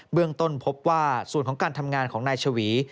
เรื่องต้นพบว่าส่วนของการทำงานของนายชวี